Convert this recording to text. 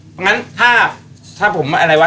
ดังนั้นถ้าผมอะไรวะ